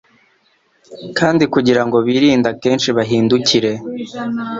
kandi kugirango birinde akenshi bahindukire